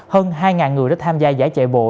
hơn hai người đã tham gia giải chạy bộ